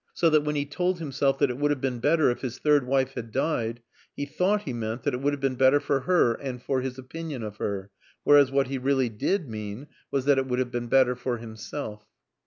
So that when he told himself that it would have been better if his third wife had died, he thought he meant that it would have been better for her and for his opinion of her, whereas what he really did mean was that it would have been better for himself.